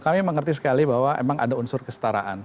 kami mengerti sekali bahwa memang ada unsur kestaraan